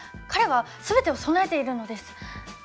彼は全てを備えているのです。